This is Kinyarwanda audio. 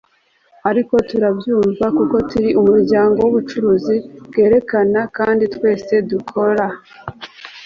ariko turabyumva kuko turi umuryango wubucuruzi bwerekana kandi twese dukora